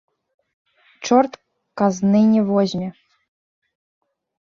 Чорт казны не возьме.